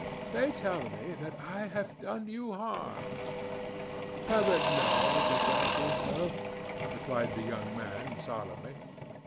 "They tell me that I have done you harm." "Heaven knows if that be so," replied the young man, solemnly.